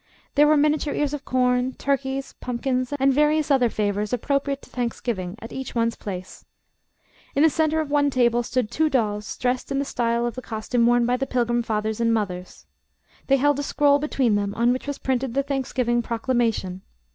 There were miniature ears of corn, turkeys, pumpkins and various other favors appropriate to Thanksgiving at each one's place. In the center of one table stood two dolls dressed in the style of costume worn by the Pilgrim fathers and mothers. They held a scroll between them on which was printed the Thanksgiving Proclamation.